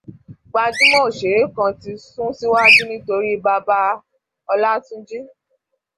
Gbajúmọ̀ òṣèré kan ti sún síwájú nítorí Bàbá Ọlátúnji